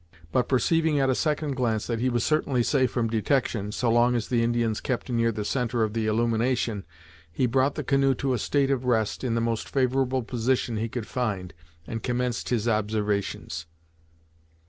But perceiving at a second glance that he was certainly safe from detection, so long as the Indians kept near the centre of the illumination, he brought the canoe to a state of rest in the most favourable position he could find, and commenced his observations.